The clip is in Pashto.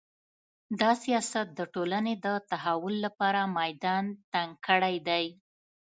دا سیاست د ټولنې د تحول لپاره میدان تنګ کړی دی